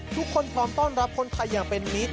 พร้อมต้อนรับคนไทยอย่างเป็นมิตร